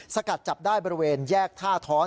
สกัดจับได้บริเวณแยกท่าท้อน